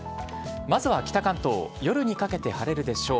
まずは北関東、夜にかけて晴れるでしょう。